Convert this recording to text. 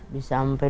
bisa sampai dua puluh